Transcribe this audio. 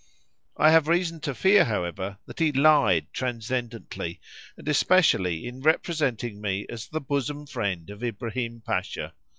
I have reason to fear, however, that he lied transcendently, and especially in representing me as the bosom friend of Ibrahim Pasha.